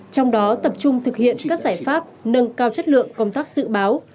trong đó tập trung thực hiện các giải pháp nâng cao chất lượng công tác dự báo